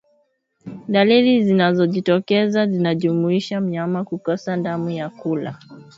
Dalili zinazojitokeza zinajumuisha mnyama kukosa hamu ya kula